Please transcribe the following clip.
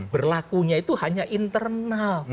berlakunya itu hanya internal